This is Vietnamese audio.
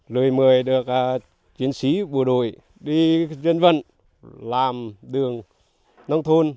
lời mời được chiến sĩ bộ đội đi dân vận làm đường nông thôn